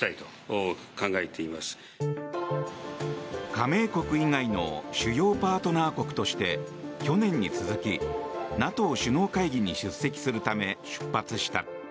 加盟国以外の主要パートナー国として去年に続きＮＡＴＯ首脳会議に出席するため出発した。